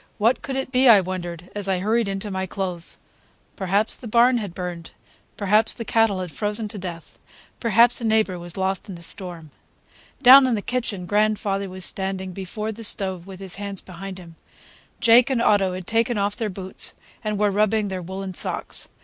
What could it be, I wondered, as I hurried into my clothes. Perhaps the barn had burned; perhaps the cattle had frozen to death; perhaps a neighbor was lost in the storm. Down in the kitchen grandfather was standing before the stove with his hands behind him. Jake and Otto had taken off their boots and were rubbing their woolen socks.